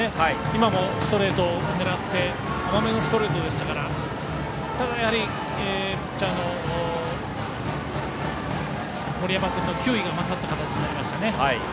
今もストレートを狙って甘めのストレートでしたがピッチャーの森山君の球威が勝った形になりました。